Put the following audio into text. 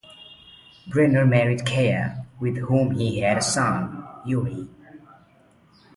Brenner married Chaya, with whom he had a son, Uri.